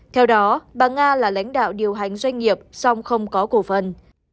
theo đó bà nga là lãnh đạo điều hành doanh nghiệp song không có cổ phần